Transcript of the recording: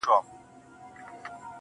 كوټه ښېراوي هر ماښام كومه~